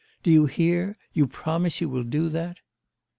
Do you hear? you promise you will do that?